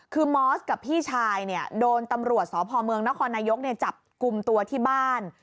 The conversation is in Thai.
คือมอสกับพี่ชายเนี่ยโดนตำรวจสพเมืองนครนายกจับกลุ่มตัวที่บ้าน